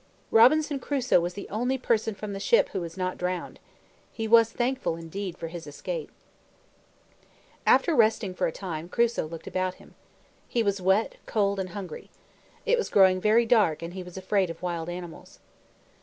Robinson Crusoe was the only person from the ship who was not drowned. He was thankful indeed for his escape. After resting for a time, Crusoe looked about him. He was wet, cold, and hungry. It was growing very dark, and he was afraid of wild animals.